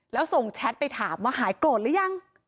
แล้วส่งแชทไปถามว่าหายโกรธหรือยัง